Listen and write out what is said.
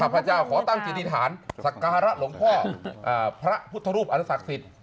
พระเจ้าขอตั้งจิตฐานสักฆาระหลงพ่อพระพุทธรูปอาณสักศิษฐ์